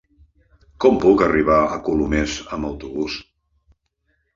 Com puc arribar a Colomers amb autobús?